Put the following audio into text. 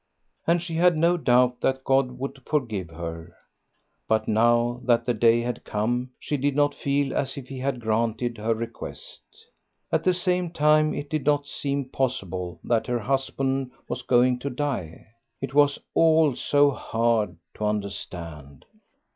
And she had no doubt that God would forgive her. But now that the day had come she did not feel as if he had granted her request. At the same time it did not seem possible that her husband was going to die. It was all so hard to understand.